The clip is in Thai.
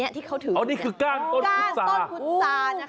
อันนี้คือก้างต้นพุทธศาสตร์